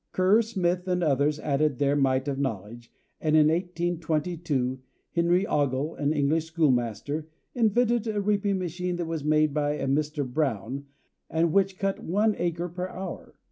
] Kerr, Smith and others added their mite of knowledge, and in 1822 Henry Ogle, an English schoolmaster, invented a reaping machine that was made by a Mr. Brown, and which cut one acre per hour.